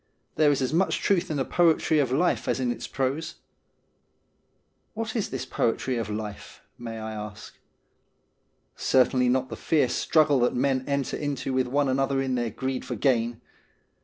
There is as much truth in the poetry of life as in its prose '? What is this poetry of life ? may I ask. Certainly not the fierce struggle that men enter into with one another in their greed for gain.